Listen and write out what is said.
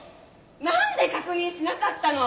なんで確認しなかったの？